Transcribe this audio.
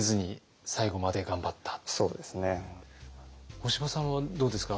干場さんはどうですか？